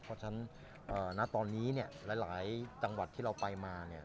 เพราะฉะนั้นณตอนนี้หลายจังหวัดที่เราไปมาเนี่ย